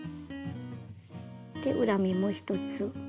で裏目も１つ。